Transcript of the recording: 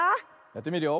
やってみるよ。